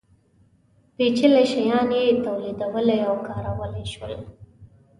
پېچلي شیان یې تولیدولی او کارولی شول.